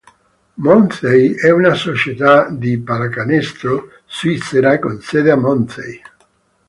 Monthey è una società di pallacanestro svizzera con sede a Monthey.